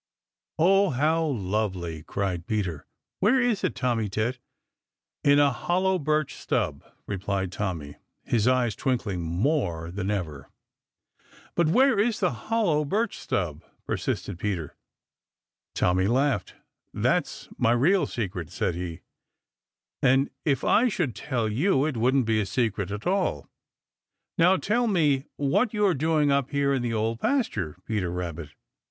"Oh, how lovely!" cried Peter. "Where is it, Tommy Tit?" "In a hollow birch stub," replied Tommy, his eyes twinkling more than ever. "But where is the hollow birch stub?" persisted Peter. Tommy laughed. "That's my real secret," said he, "and if I should tell you it wouldn't be a secret at all. Now tell me what you are doing up here in the Old Pasture, Peter Rabbit."